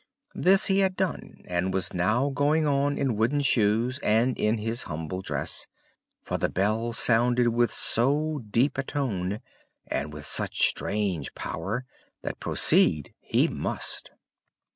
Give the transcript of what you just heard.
This he had done, and was now going on in wooden shoes and in his humble dress, for the bell sounded with so deep a tone, and with such strange power, that proceed he must.